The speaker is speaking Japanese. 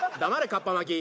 かっぱ巻き。